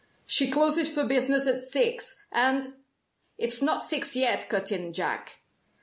"She closes for business at six, and " "It's not six yet," cut in Jack.